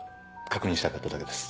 確認したかっただけです。